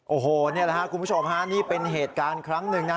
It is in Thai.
โอ้โหนี่แหละครับคุณผู้ชมฮะนี่เป็นเหตุการณ์ครั้งหนึ่งนะ